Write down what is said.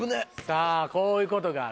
さぁこういうことがある。